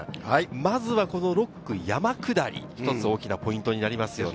まずは６区山下り、一つ大きなポイントになりますよね？